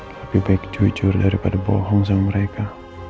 lebih baik jujur daripada bohong sama mereka